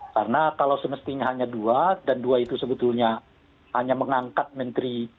karena kalau semestinya hanya dua dan dua itu sebetulnya hanya mengangkat menteri